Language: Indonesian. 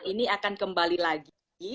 ini akan kembali lagi